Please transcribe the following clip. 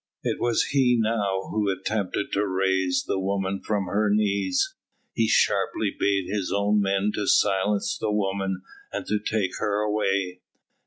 It was he now who attempted to raise the woman from her knees. He sharply bade his own men to silence the woman and to take her away.